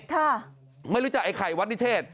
ค่ะไม่รู้จักไอ้ไข่วัดนิเทศ